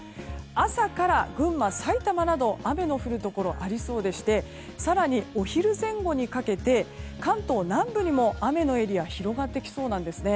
朝から群馬、さいたまなど雨の降るところがありそうでして更にお昼前後にかけて関東南部にも雨のエリア広がってきそうなんですね。